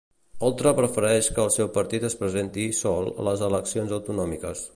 Oltra prefereix que el seu partit es presenti sol a les eleccions autonòmiques.